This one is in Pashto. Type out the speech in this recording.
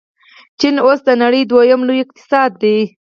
چین اوس د نړۍ دویم لوی اقتصاد دی.